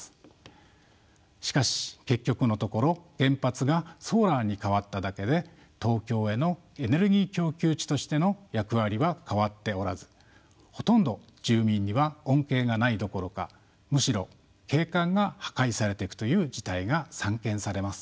しかし結局のところ原発がソーラーに変わっただけで東京へのエネルギー供給地としての役割は変わっておらずほとんど住民には恩恵がないどころかむしろ景観が破壊されていくという事態が散見されます。